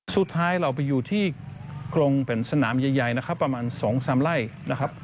สุดท้ายเราไปอยู่ที่กรงเป็นสนามใหญ่นะครับประมาณ๒๓ไร่นะครับ